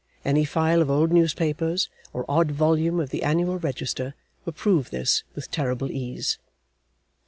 Any file of old Newspapers, or odd volume of the Annual Register, will prove this with terrible ease.